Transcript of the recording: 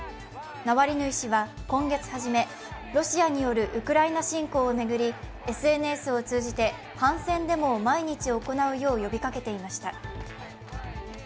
ナワリヌイ氏は今月初め、ロシアによるウクライナ侵攻を巡りＳＮＳを通じて反戦デモを毎日行うよう呼びかけていました。